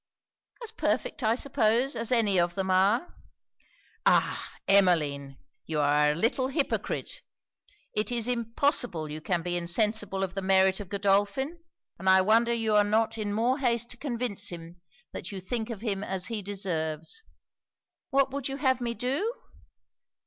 'As perfect, I suppose, as any of them are.' 'Ah! Emmeline, you are a little hypocrite. It is impossible you can be insensible of the merit of Godolphin; and I wonder you are not in more haste to convince him that you think of him as he deserves.' 'What would you have me do?'